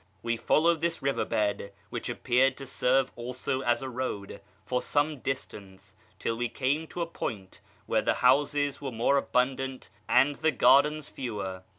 We followed this river bed, which appeared to serve also as a road, for some distance, till we came to a point where the houses were more abundant and the gardens fewer.